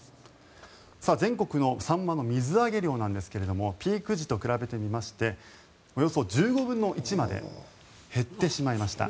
全国のサンマの水揚げ量なんですけどもピーク時と比べてみましておよそ１５分の１まで減ってしまいました。